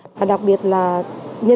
các bác sĩ lại càng căng thẳng hơn